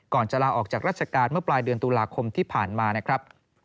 ก่อนจะลาออกจากราชการเมื่อปลายเดือนตุลาคมที่ผ่านมานะครับ